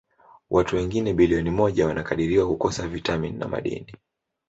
Watu wengine bilioni moja wanakadiriwa kukosa vitamini na madini.